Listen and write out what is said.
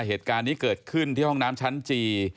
เหตุการณ์นี้เกิดขึ้นที่ห้องน้ำชั้นจี